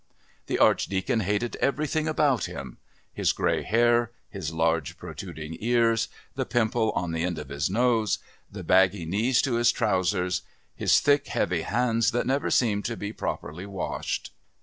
The Archdeacon hated everything about him his grey hair, his large protruding ears, the pimple on the end of his nose, the baggy knees to his trousers, his thick heavy hands that never seemed to be properly washed.